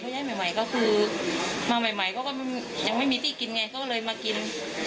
เก็บคนแย่ใหม่ก็คือมาใหม่ก็ยังไม่มีที่กินไงก็เลยมากิน